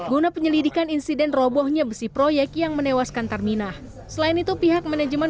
guna penyelidikan insiden robohnya besi proyek yang menewaskan terminah selain itu pihak manajemen